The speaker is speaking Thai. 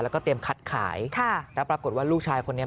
แล้วก็เตรียมคัดขายค่ะแล้วปรากฏว่าลูกชายคนนี้